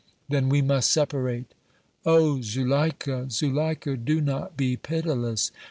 "Then we must separate." "Oh! Zuleika, Zuleika, do not be pitiless!